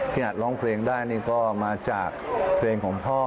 อัดร้องเพลงได้นี่ก็มาจากเพลงของพ่อ